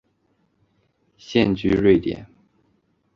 现居瑞典。